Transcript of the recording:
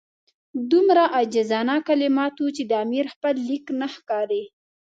دومره عاجزانه کلمات وو چې د امیر خپل لیک نه ښکاري.